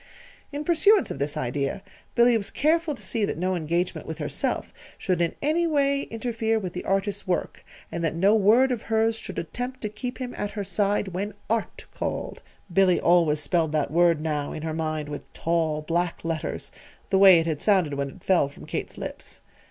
In pursuance of this idea, Billy was careful to see that no engagement with herself should in any way interfere with the artist's work, and that no word of hers should attempt to keep him at her side when ART called. (Billy always spelled that word now in her mind with tall, black letters the way it had sounded when it fell from Kate's lips.)